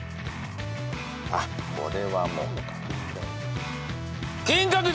あっこれはもう。